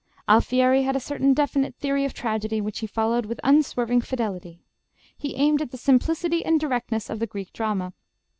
Alfieri had a certain definite theory of tragedy which he followed with unswerving fidelity. He aimed at the simplicity and directness of the Greek drama.